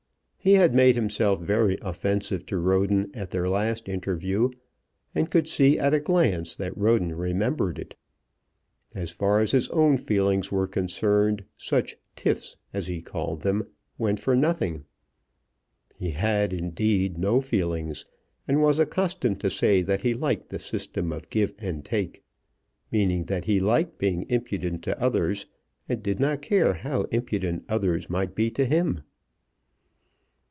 He had made himself very offensive to Roden at their last interview, and could see at a glance that Roden remembered it. As far as his own feelings were concerned such "tiffs," as he called them, went for nothing. He had, indeed, no feelings, and was accustomed to say that he liked the system of give and take, meaning that he liked being impudent to others, and did not care how impudent others might be to him.